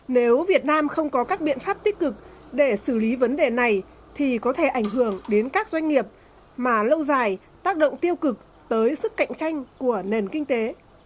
nếu việt nam không có các biện pháp tích cực để xử lý vấn đề này thì có thể ảnh hưởng đến các doanh nghiệp mà lâu dài tác động tiêu cực tới sức cạnh tranh của nền kinh tế